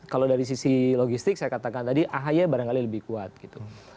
kalau dari sisi logistik saya katakan tadi ahy barangkali lebih kuat gitu